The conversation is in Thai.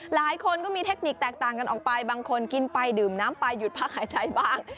หลายคนก็มีเทคนิคแตกต่างกันออกไปบางคนกินไปดื่มน้ำไปหยุดพักหายใจบ้าง